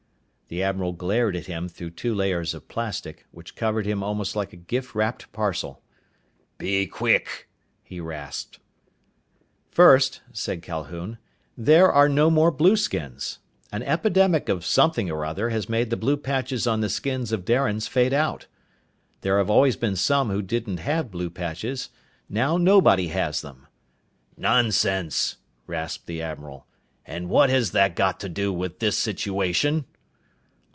The admiral glared at him through two layers of plastic, which covered him almost like a gift wrapped parcel. "Be quick!" he rasped. "First," said Calhoun, "there are no more blueskins. An epidemic of something or other has made the blue patches on the skins of Darians fade out. There have always been some who didn't have blue patches. Now nobody has them." "Nonsense!" rasped the admiral. "And what has that got to do with this situation?"